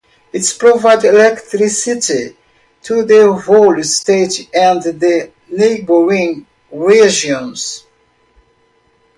It provides electricity to the whole state and the neighbouring regions.